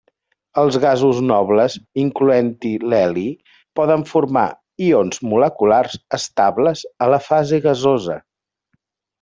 Els gasos nobles, incloent-hi l'heli, poden formar ions moleculars estables a la fase gasosa.